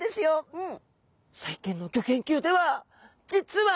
うん。